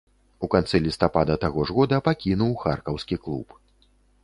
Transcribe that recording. У канцы лістапада таго ж года пакінуў харкаўскі клуб.